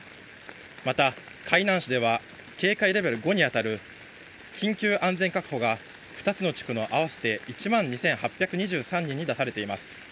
また、海南市では警戒レベル５に当たる緊急安全確保が２つの地区の合わせて１万２８２３人に出されています。